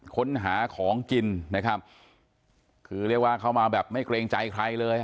ค้นหาของกินนะครับคือเรียกว่าเข้ามาแบบไม่เกรงใจใครเลย